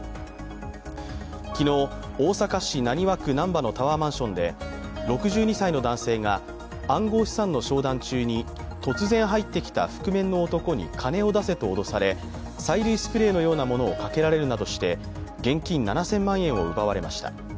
昨日、大阪市浪速区難波のタワーマンションで、６２歳の男性が、暗号資産の商談中に突然入ってきた覆面の男に金を出せと脅され、催涙スプレーのようなものをかけられるなどして現金７０００万円を奪われました。